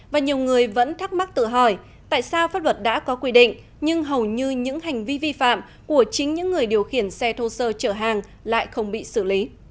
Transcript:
và nhiều người vẫn thắc mắc tự hỏi tại sao pháp luật đã có quy định nhưng hầu như những hành vi vi phạm của chính những người điều khiển xe thô sơ chở hàng lại không bị xử lý